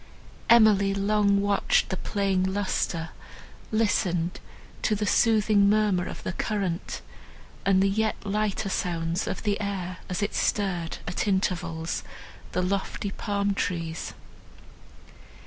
Emily long watched the playing lustre, listened to the soothing murmur of the current, and the yet lighter sounds of the air, as it stirred, at intervals, the lofty palm trees.